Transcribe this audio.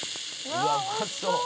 「うわっうまそう」